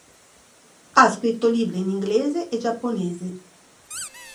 Ha scritto libri in inglese e giapponese.